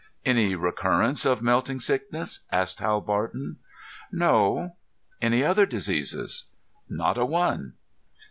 "Any recurrence of melting sickness?" asked Hal Barton. "No." "Any other diseases?" "Not a one."